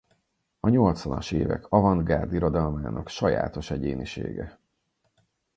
A nyolcvanas évek avantgárd irodalmának sajátos egyénisége.